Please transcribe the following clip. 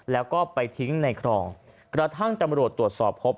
แล้วก็ไปทิ้งในคลองกระทั่งตำรวจตรวจสอบพบ